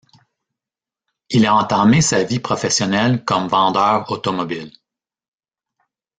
Il a entamé sa vie professionnelle comme vendeur automobile.